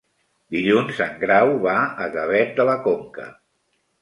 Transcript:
Dilluns en Grau va a Gavet de la Conca.